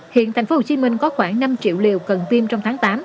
hiện thành phố hồ chí minh có khoảng năm triệu liều cần tiêm trong tháng tám